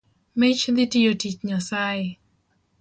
Mich dhi tiyo tich Nyasaye